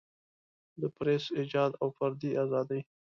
د پریس ایجاد او فردي ازادۍ.